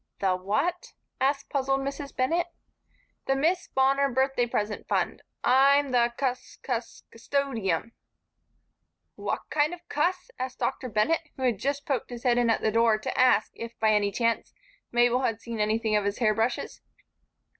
"The what?" asked puzzled Mrs. Bennett. "The Miss Bonner Birthday Present Fund. I'm the Cus Cus Custodium." "The what kind of cuss?" asked Dr. Bennett, who had just poked his head in at the door to ask if, by any chance, Mabel had seen anything of his hair brushes.